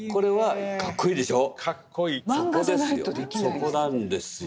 そこなんですよ。